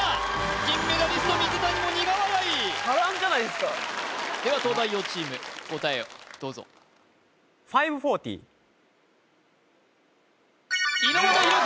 金メダリスト・水谷も苦笑い・波乱じゃないですかでは東大王チーム答えをどうぞ猪俣大輝